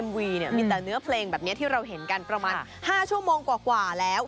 มีแต่เนื้อเพลงแบบนี้ที่เราเห็นกันประมาณ๕ชั่วโมงกว่าแล้ว